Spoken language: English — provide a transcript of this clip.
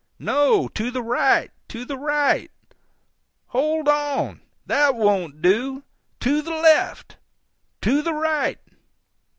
"No, to the right, to the right! Hold on! THAT won't do!—to the left!—to the right!